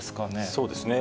そうですね。